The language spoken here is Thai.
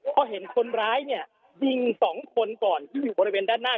เพราะเห็นคนร้ายเนี่ยยิง๒คนก่อนที่อยู่บริเวณด้านหน้า